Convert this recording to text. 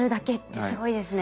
すごいですね。